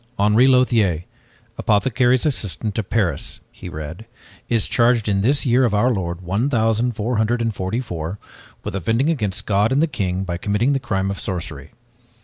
"Henri Lothiere, apothecary's assistant of Paris," he read, "is charged in this year of our lord one thousand four hundred and forty four with offending against God and the king by committing the crime of sorcery."